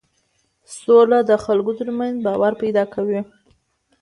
سوله د خلکو ترمنځ باور پیدا کوي